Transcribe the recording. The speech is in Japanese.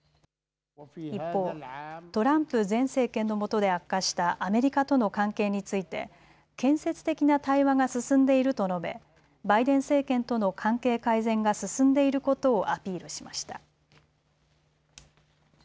一方、トランプ前政権のもとで悪化したアメリカとの関係について建設的な対話が進んでいると述べバイデン政権との関係改善が進んでいることをアピールしました。